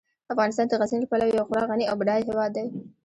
افغانستان د غزني له پلوه یو خورا غني او بډایه هیواد دی.